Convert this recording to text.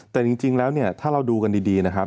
แต่จริงแล้วเนี่ยถ้าเราดูกันดีนะครับ